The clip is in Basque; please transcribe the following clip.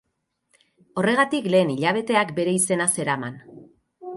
Horregatik, lehen hilabeteak, bere izena zeraman.